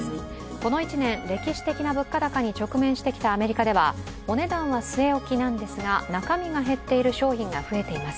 この１年、歴史的な物価高に直面してきたアメリカでは、お値段は据え置きなんですが中身が減っている商品が増えています。